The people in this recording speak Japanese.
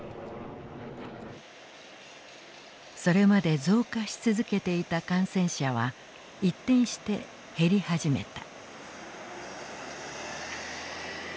それまで増加し続けていた感染者は一転して減り始めた。